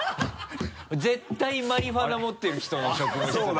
絶対マリフアナ持ってる人の職務質問だよ。